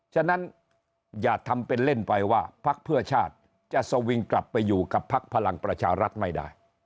ฉะนั้นอย่าทำเป็นเล่นไปว่าพักเพื่อชาติจะสวิงกลับไปอยู่กับพักพลังประชารัฐไม่ได้